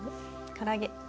から揚げ